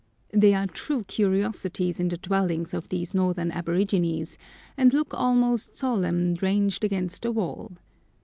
They are true curiosities in the dwellings of these northern aborigines, and look almost solemn ranged against the wall.